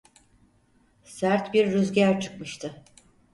Sert bir rüzgar çıkmıştı.